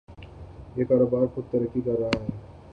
یہ کاروبار خوب ترقی کر رہا ہے۔